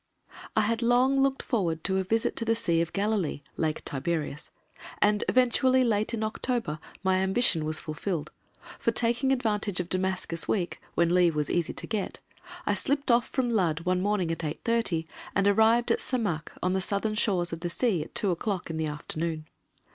I had long looked forward to a visit to the Sea of Galilee (Lake Tiberias), and eventually, late in October, my ambition was fulfilled, for, taking advantage of "Damascus week," when leave was easy to get, I slipped off from Ludd one morning at 8.30, and arrived at Samakh, on the southern shores of the sea, at 2 o'clock in the afternoon.